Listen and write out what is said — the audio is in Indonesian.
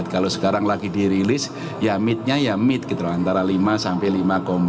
kalau sekarang lagi dirilis ya midnya ya mid gitu antara lima sampai lima empat